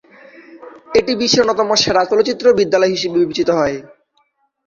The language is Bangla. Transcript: এটি বিশ্বের অন্যতম সেরা চলচ্চিত্র বিদ্যালয় হিসেবে বিবেচিত হয়।